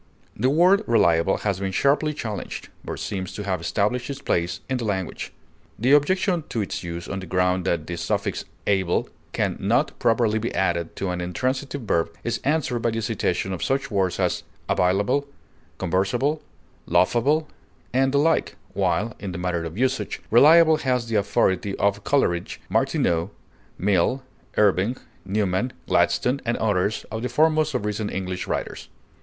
The word reliable has been sharply challenged, but seems to have established its place in the language. The objection to its use on the ground that the suffix _ able_ can not properly be added to an intransitive verb is answered by the citation of such words as "available," "conversable," "laughable," and the like, while, in the matter of usage, reliable has the authority of Coleridge, Martineau, Mill, Irving, Newman, Gladstone, and others of the foremost of recent English writers.